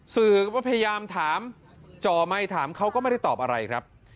สื่อก็พยายามถามจ่อไมค์ถามเขาก็ไม่ได้ตอบอะไรครับ